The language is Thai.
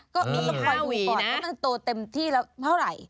ก็มีอีก๕หวีนะก็มันจะโตเต็มที่แล้วเท่าไหร่